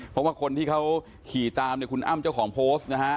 เพราะว่าคนที่เขาขี่ตามเนี่ยคุณอ้ำเจ้าของโพสต์นะฮะ